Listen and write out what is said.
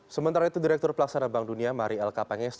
sementara itu direktur pelaksana bank dunia marie l kapenges